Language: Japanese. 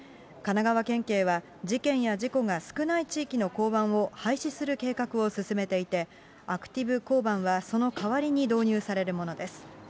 神奈川県警は、事件や事故が少ない地域の交番を廃止する計画を進めていて、アクティブ交番は、その代わりに導入されるものです。